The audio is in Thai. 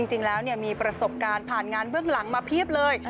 จริงแล้วมีประสบการณ์ผ่านงานเบื้องหลังมาเพียบเลย